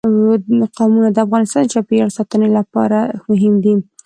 قومونه د افغانستان د چاپیریال ساتنې لپاره مهم دي.